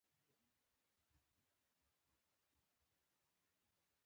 که موفق وي او که نه وي.